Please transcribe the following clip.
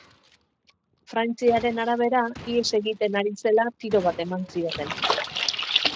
Frantziaren arabera, ihes egiten ari zela tiro bat eman zioten.